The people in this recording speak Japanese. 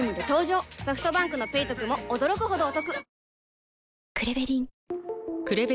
ソフトバンクの「ペイトク」も驚くほどおトク